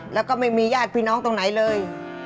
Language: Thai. แล้วก็ไม่มีญาติพี่น้องตรงไหนเลย